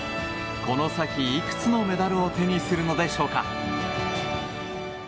この先、いくつのメダルを手にするのでしょうか？